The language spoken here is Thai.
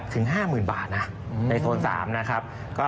ถึง๕๐๐๐บาทนะในโซน๓นะครับ